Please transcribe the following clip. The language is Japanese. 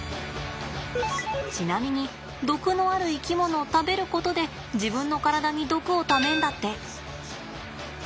ちなみに毒のある生き物を食べることで自分の体に毒をためんだって。